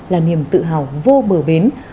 là niềm tự hào vô bờ bến